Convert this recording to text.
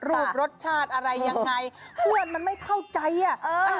รูปรสชาติอะไรยังไงเพื่อนมันไม่เข้าใจอ่ะเออ